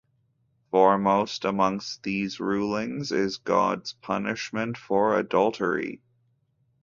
Foremost amongst these rulings is God's punishment for adultery.